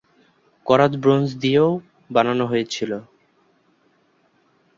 করাত ব্রোঞ্জ দিয়েও বানানো হয়েছিল।